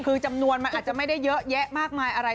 คือจำนวนมันอาจจะไม่ได้เยอะแยะมากมายอะไร